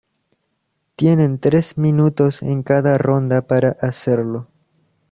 Tienen tres minutos en cada ronda para hacerlo.